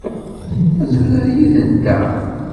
Ad turar yid-nteɣ?